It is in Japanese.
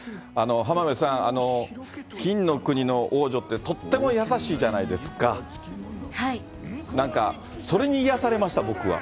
浜辺さん、金の国の王女って、とっても優しいじゃないですか、なんか、それに癒やされました、僕は。